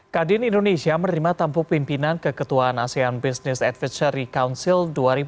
kadin indonesia menerima tampuk pimpinan keketuaan asean business advisory council dua ribu dua puluh